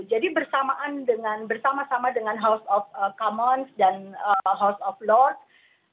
jadi bersamaan dengan bersama sama dengan house of commons dan house of lords